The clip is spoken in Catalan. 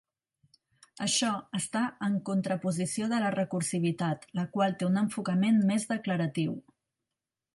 Això està en contraposició de la recursivitat, la qual té un enfocament més declaratiu.